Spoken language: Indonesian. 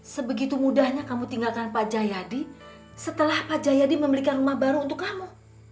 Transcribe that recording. sebegitu mudahnya kamu tinggalkan pak jayadi setelah pak jayadi membelikan rumah baru untuk kamu